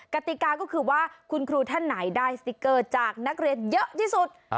กติกาก็คือว่าคุณครูท่านไหนได้สติ๊กเกอร์จากนักเรียนเยอะที่สุด